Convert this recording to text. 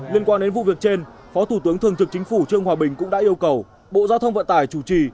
liên quan đến vụ việc trên phó thủ tướng thường trực chính phủ trương hòa bình cũng đã yêu cầu bộ giao thông vận tải chủ trì